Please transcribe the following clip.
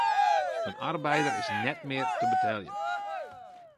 In arbeider is net mear te beteljen.